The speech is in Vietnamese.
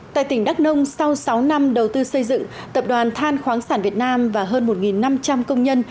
tại tỉnh đắk nông sau sáu năm đầu tư xây dựng tập đoàn than khoáng sản việt nam và hơn một năm trăm linh công nhân